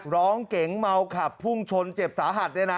รถเก๋งเมาขับพุ่งชนเจ็บสาหัสเนี่ยนะ